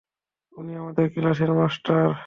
উনি আমাদের ক্লাসের মাস্টার।